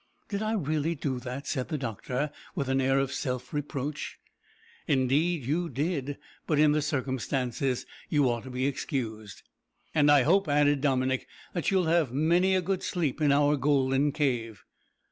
"Did I really do that?" said the doctor, with an air of self reproach. "Indeed you did; but in the circumstances you are to be excused." "And I hope," added Dominick, "that you'll have many a good sleep in our golden cave."